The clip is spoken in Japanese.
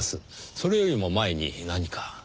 それよりも前に何か。